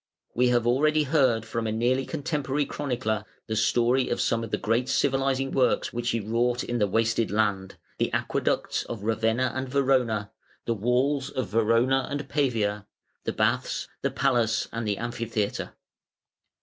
We have already heard from a nearly contemporary chronicler, the story of some of the great civilising works which he wrought in the wasted land, the aqueducts of Ravenna and Verona, the walls of Verona and Pavia, the baths, the palace, and the amphitheatre.